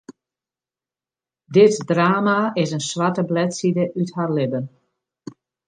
Dit drama is in swarte bledside út har libben.